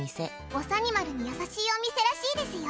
ぼさにまるに優しいお店らしいですよ。